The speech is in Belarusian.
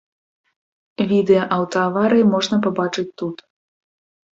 Відэа аўтааварыі можна пабачыць тут.